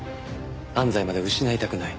安西まで失いたくない。